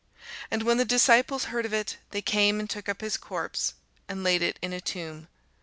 And when his disciples heard of it, they came and took up his corpse, and laid it in a tomb.